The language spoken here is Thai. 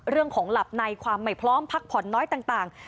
เรื่องของหลับในความไม่พร้อมพักผ่อนน้อยต่าง